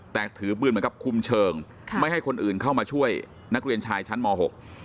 แต่ถือปืนเหมือนกับคุมเชิงค่ะไม่ให้คนอื่นเข้ามาช่วยนักเรียนชายชั้นมหก